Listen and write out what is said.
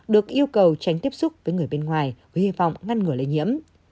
được yêu cầu tránh tiếp xúc với người bên ngoài với hy vọng ngăn ngừa lây nhiễm